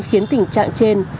khiến tình trạng trên